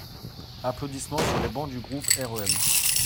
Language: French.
Applaudissements sur les bancs du groupe REM.